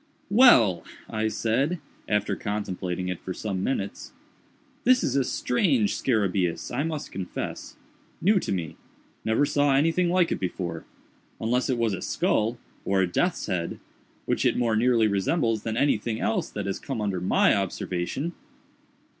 "Well!" I said, after contemplating it for some minutes, "this is a strange scarabæus, I must confess: new to me: never saw anything like it before—unless it was a skull, or a death's head—which it more nearly resembles than anything else that has come under my observation."